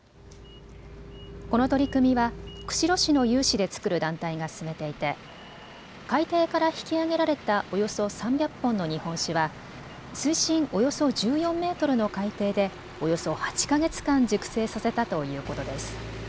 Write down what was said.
この取り組みは釧路市の有志で作る団体が進めていて海底から引き揚げられたおよそ３００本の日本酒は水深およそ１４メートルの海底でおよそ８か月間、熟成させたということです。